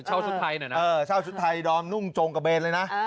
ชุดไทยหน่อยนะเช่าชุดไทยดอมนุ่งจงกระเบนเลยนะ